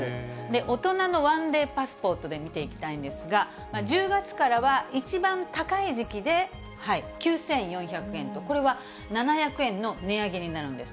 大人の１デーパスポートで見ていきたいんですが、１０月からは一番高い時期で９４００円と、これは７００円の値上げになるんです。